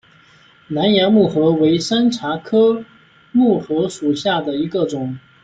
南洋木荷为山茶科木荷属下的一个种。